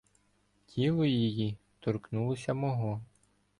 Тіло її торкнулося мого.